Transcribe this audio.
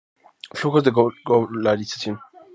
Flujos de Globalización.